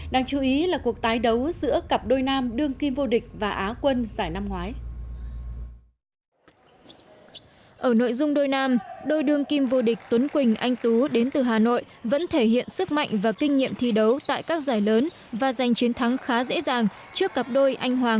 đáng chú ý là cuộc tái đấu giữa cặp đôi nam đương kim vô địch và á quân giải năm ngoái